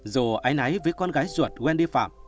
dù ái nái với con gái ruột wendy